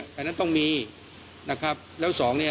อันนี้มันต้องมีเครื่องชีพในกรณีที่มันเกิดเหตุวิกฤตจริงเนี่ย